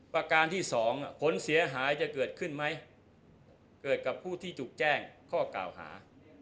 ประการที่สองผลเสียหายจะเกิดขึ้นไหมเกิดกับผู้ที่ถูกแจ้งข้อกล่าวหา